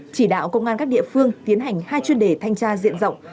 chỉ đạo công an các địa phương tiến hành hai chuyên đề thanh tra diện rộng